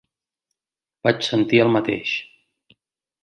Vaig sentir el mateix.